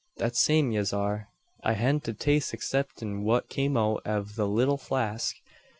That same yez are. I hadn't a taste exciptin what came out av the little flask.